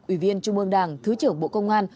ủy viên trung ương đảng thứ trưởng bộ công an